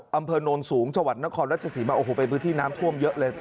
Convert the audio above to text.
อำเภอโนนสูงจังหวัดนครราชสีมาโอ้โหเป็นพื้นที่น้ำท่วมเยอะเลย